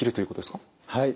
はい。